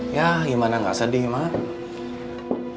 ya gimana nggak sedih mak